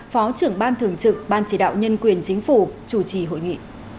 phó trưởng ban thường trực ban chỉ đạo nhân quyền chính phủ chủ trì hội nghị